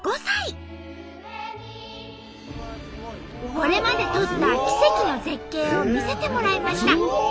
これまで撮った奇跡の絶景を見せてもらいました。